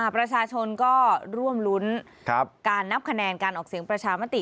ประชาชนก็ร่วมรุ้นการนับคะแนนการออกเสียงประชามติ